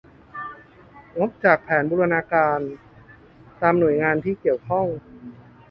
งบจากแผนบูรณาการ ตามหน่วยงานที่เกี่ยวข้อง